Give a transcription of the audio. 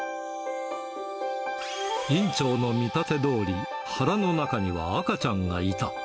院長の見立てどおり、腹の中には赤ちゃんがいた。